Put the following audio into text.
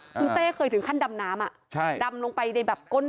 คุณแต่เคยถึงขั้นดำนามอะดำลงไปในแบบก้นแม่น้ำ